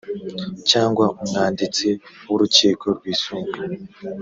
cyangwa umwanditsi w’urukiko rwisumbuye